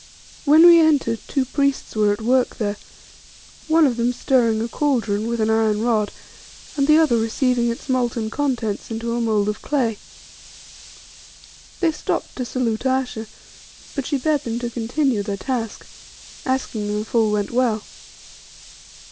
When we entered two priests were at work there: one of them stirring a cauldron with an iron rod and the other receiving its molten contents into a mould of clay. They stopped to salute Ayesha, but she bade them to continue their task, asking them if all went well.